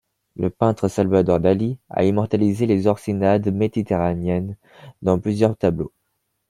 Le peintre Salvador Dalí a immortalisé les oursinades méditerranéennes dans plusieurs tableaux.